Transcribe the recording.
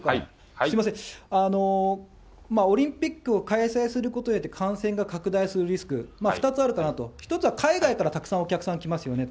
すみません、オリンピックを開催することで感染が拡大することのリスク、２つあるかなと、１つは海外からたくさんお客さん来ますよねと。